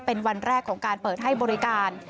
เป็นวันแรกของการเปิดให้บริการ